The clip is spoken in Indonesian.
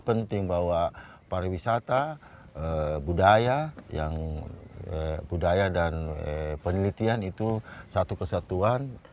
penting bahwa pariwisata budaya yang budaya dan penelitian itu satu kesatuan yang berkaitan dengan